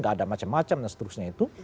gak ada macam macam dan seterusnya itu